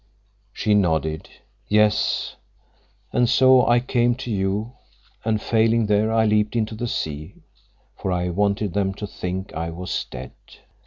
She nodded. "Yes; and so I came to you, and failing there, I leaped into the sea, for I wanted them to think I was dead."